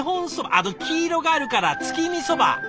あっ黄色があるから月見そば？